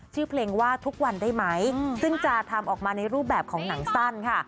ชื่อเพลงว่าทุกวันได้ไหมซึ่งจะทำออกมาในรูปแบบของหนังสั้นค่ะ